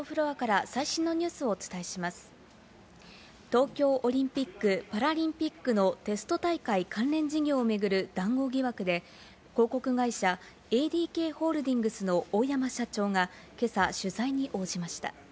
東京オリンピック・パラリンピックのテスト大会関連事業をめぐる談合疑惑で広告会社ＡＤＫホールディングスの大山社長が今朝、取材に応じました。